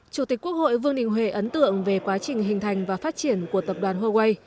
chủ tịch quốc hội vương đình huệ ấn tượng về quá trình hình thành và phát triển của tập đoàn huawei